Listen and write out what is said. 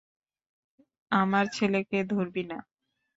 আমার ছেলেকে ধরবি না!